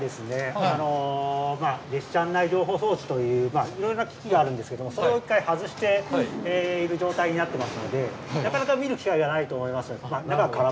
列車案内情報装置といういろいろな機器があるんですけどもそれを一回外している状態になってますのでなかなか見る機会がないと思います。